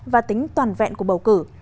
và tính toàn vẹn của bầu cử